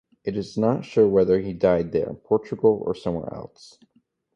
It is not sure whether he died there, Portugal, or somewhere else.